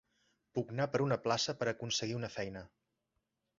Pugnar per una plaça, per aconseguir una feina.